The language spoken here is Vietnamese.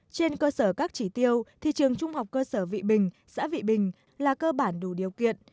trên cơ sở các chỉ tiêu thì trường trung học cơ sở vị bình xã vị bình là cơ bản đủ điều kiện